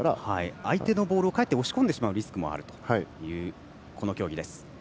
相手のボールをかえって押し込んでしまうリスクもあるというこの競技です。